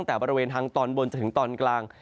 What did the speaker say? แต่บริเวณทางตอนบนจนถึงตอนกลาง